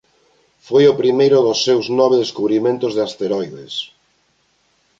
Foi o primeiro dos seus nove descubrimentos de asteroides.